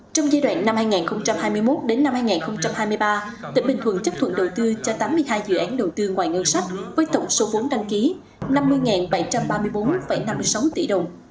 trong giai đoạn năm hai nghìn hai mươi một đến năm hai nghìn hai mươi ba tỉnh bình thuận chấp thuận đầu tư cho tám mươi hai dự án đầu tư ngoài ngân sách với tổng số vốn đăng ký năm mươi bảy trăm ba mươi bốn năm mươi sáu tỷ đồng